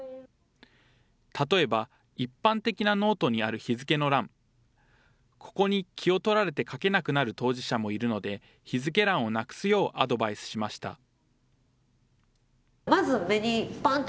例えば、一般的なノートにある日付の欄、ここに気を取られて書けなくなる当事者もいるので、日付欄をなくすようアドバイスしました。